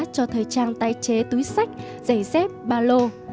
cho thời trang tái chế túi sách giày dép ba lô